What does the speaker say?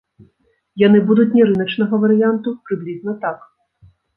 Яны будуць не рыначнага варыянту, прыблізна так.